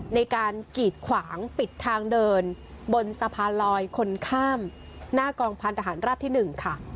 ในการกีดขวางปิดทางเดินบนสะพานลอยคนข้ามหน้ากองพันธหารราบที่๑ค่ะ